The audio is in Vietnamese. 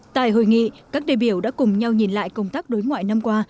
tại hội nghị các đề biểu đã cùng nhau nhìn lại công tác đối ngoại năm qua